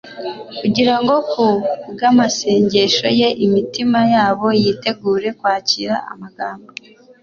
kugira ngo ku bw'amasengesho ye imitima yabo yitegure kwakira amagambo